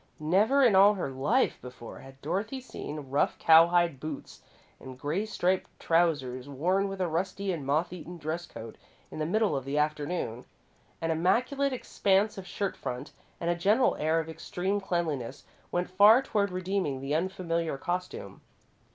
Never in all her life before had Dorothy seen rough cow hide boots, and grey striped trousers worn with a rusty and moth eaten dress coat in the middle of the afternoon. An immaculate expanse of shirt front and a general air of extreme cleanliness went far toward redeeming the unfamiliar costume.